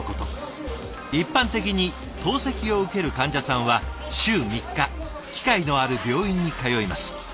一般的に透析を受ける患者さんは週３日機械のある病院に通います。